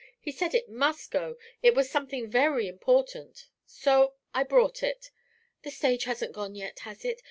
He said it must go, it was something very important. So I brought it. The stage hasn't gone yet, has it?